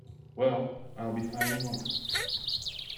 Well, I'll be hurrying on.